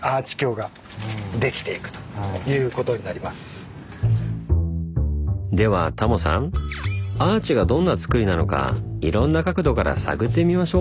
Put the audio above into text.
このようにですねではタモさんアーチがどんなつくりなのかいろんな角度から探ってみましょう！